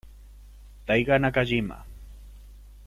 Taiga Nakajima